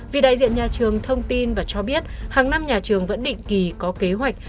vì đại diện nhà trường thông tin và cho biết hàng năm nhà trường vẫn định kỳ có kế hoạch